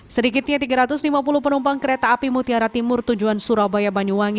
sedikitnya tiga ratus lima puluh penumpang kereta api mutiara timur tujuan surabaya banyuwangi